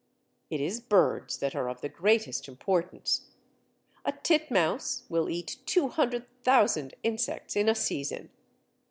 It is birds that are of the greatest importance. A titmouse will eat 200,000 insects in a season.